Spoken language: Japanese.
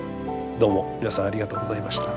どうも皆さんありがとうございました。